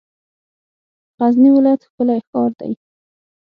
غزنی ولایت ښکلی شار دی.